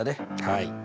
はい。